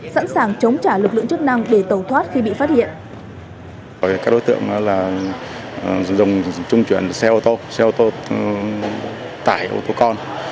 sẵn sàng chống trả lực lượng chức năng để tẩu thoát khi bị phát hiện